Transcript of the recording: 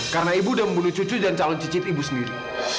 karena ibu udah membunuh cucu dan calon cicip ibu sendiri